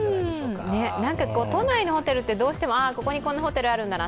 都内のホテルってどうしても、ここにこんなホテルあるんだなあ